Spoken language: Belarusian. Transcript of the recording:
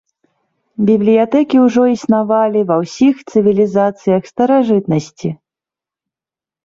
Бібліятэкі ўжо існавалі ва ўсіх цывілізацыях старажытнасці.